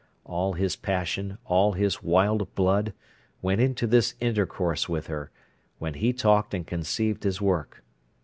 All his passion, all his wild blood, went into this intercourse with her, when he talked and conceived his work.